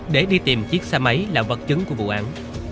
để đi tìm chiếc xe máy là vật chứng của vụ án